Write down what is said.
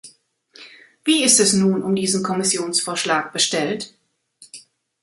Wie ist es nun um diesen Kommissionsvorschlag bestellt?